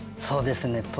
そうですね。